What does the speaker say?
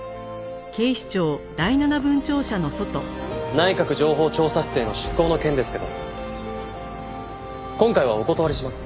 内閣情報調査室への出向の件ですけど今回はお断りします。